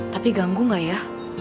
tapi ganggu ga ya